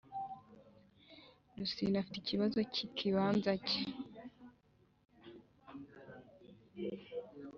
Rusine Afite ikibazo cy ikibanza cye